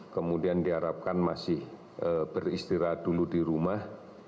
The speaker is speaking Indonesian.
kemudian diharapkan masih beristirahat dulu di rumah